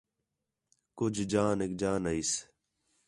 کُج جانیک، جان آئیس